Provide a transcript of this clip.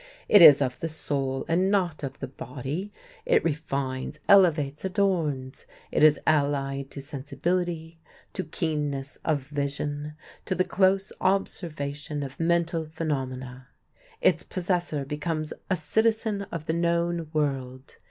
It is of the soul and not of the body; it refines, elevates, adorns. It is allied to sensibility, to keenness of vision, to the close observation of mental phenomena. Its possessor becomes a citizen of the known world.